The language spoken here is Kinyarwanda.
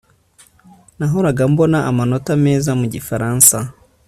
Nahoraga mbona amanota meza mugifaransa